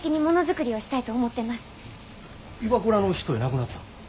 ＩＷＡＫＵＲＡの人やなくなったん？